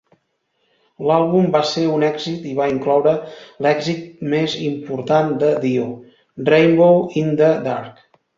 L'àlbum va ser un èxit i va incloure l'èxit més important de Dio, "Rainbow in the Dark".